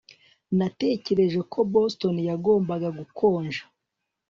Natekereje ko Boston yagombaga gukonja